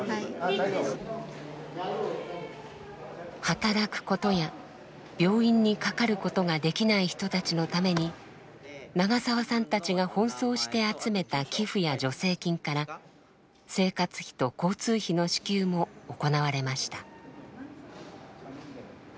働くことや病院にかかることができない人たちのために長澤さんたちが奔走して集めた寄付や助成金から生活費と交通費の支給も行われました。